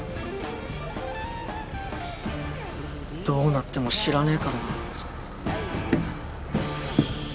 どうなっても知らねえからな。